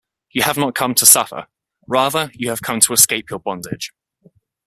You have not come to suffer; rather, you have come to escape your bondage.